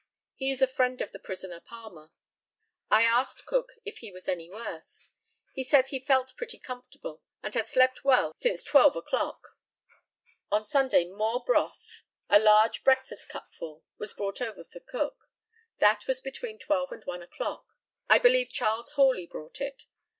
He is a friend of the prisoner Palmer. I asked Cook if he was any worse? He said he felt pretty comfortable, and had slept well since twelve o'clock. On Sunday more broth, a large breakfast cup full, was brought over for Cook. That was between twelve and one o'clock. I believe Charles Horley brought it.